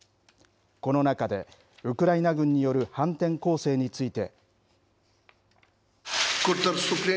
この中で、ウクライナ軍による反転攻勢について。